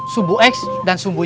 sumbu x dan sumbu y